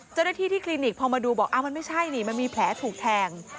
เจ้าหน้าที่ที่คลินิกพอมาดูบอกมันไม่ใช่นี่มันมีแผลถูกแทง